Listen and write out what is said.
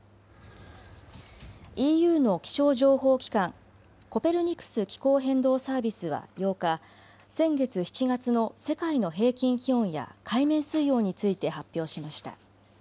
ＥＵの気象情報機関コペルニクス気候変動サービスは８日、先月７月の世界の平均気温や海面水温について発表しました。